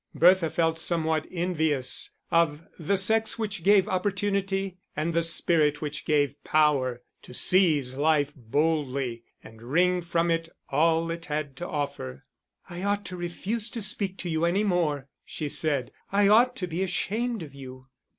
Bertha felt somewhat envious of the sex which gave opportunity, and the spirit which gave power, to seize life boldly, and wring from it all it had to offer. "I ought to refuse to speak to you any more," she said. "I ought to be ashamed of you."